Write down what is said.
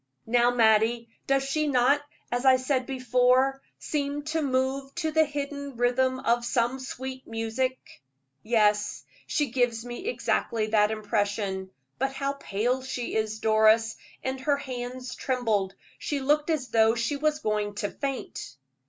Now, Mattie, does she not, as I said before, seem to move to the hidden rhythm of some sweet music?" "Yes, she gives me exactly that impression. But how pale she is, Doris, and her hands trembled. She looked as though she was going to faint."